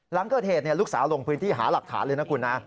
หลังเกิดเหตุลูกสาวลงพื้นที่หาหลักฐานเลยนะคุณนะ